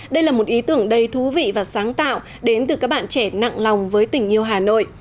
đây là một ý tưởng đầy thú vị và sáng tạo đến từ các bạn trẻ nặng lòng với tình yêu hà nội